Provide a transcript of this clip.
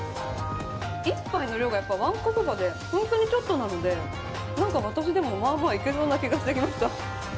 １回の量がわんこそばで本当にちょっとなので、私でもまあまあいけそうな気がしてきました。